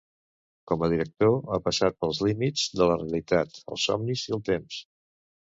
Com a director ha passejat pels límits de la realitat, els somnis i el temps.